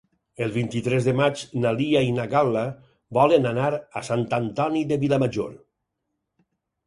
El vint-i-tres de maig na Lia i na Gal·la volen anar a Sant Antoni de Vilamajor.